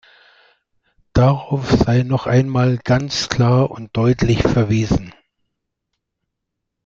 Darauf sei noch einmal ganz klar und deutlich verwiesen.